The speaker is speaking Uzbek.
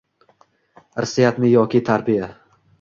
Irsiyatmi yoki tarbiya?